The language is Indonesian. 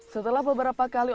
setelah beberapa kali obat